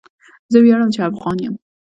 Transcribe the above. زه ویاړم چې افغان یم.